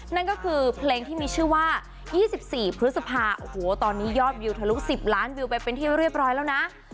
นั่นก็คือเพลงที่มีชื่อว่า๒๔พฤษภาโอ้โหตอนนี้ยอดวิวทะลุ๑๐ล้านวิวไปเป็นที่เรียบร้อยแล้วนะ